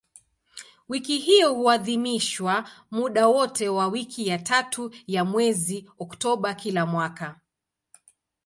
Wiki hiyo huadhimishwa muda wote wa wiki ya tatu ya mwezi Oktoba kila mwaka.